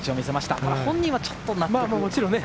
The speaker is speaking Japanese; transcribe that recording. ただ本人はちょっとね。